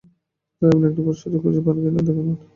তাই আপনি একটি পশুচিকিৎসক খুঁজে পান কিনা দেখুন ঠিক আছে।